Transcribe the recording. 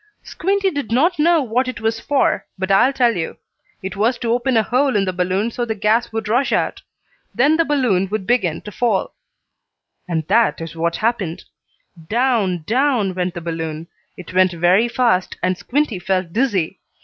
Squinty did not know what it was for, but I'll tell you. It was to open a hole in the balloon so the gas would rush out. Then the balloon would begin to fall. And that is what happened. Down, down went the balloon. It went very fast, and Squinty felt dizzy.